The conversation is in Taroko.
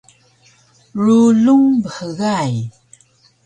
Rulung bhgay